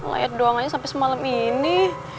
nggak lihat doangannya sampai semalam ini